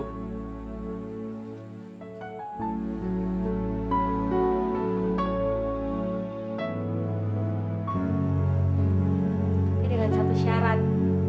tapi dengan satu syarat